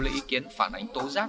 lý ý kiến phản ánh tố giác